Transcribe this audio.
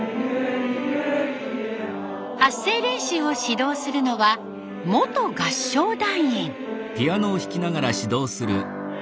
発声練習を指導するのは元合唱団員。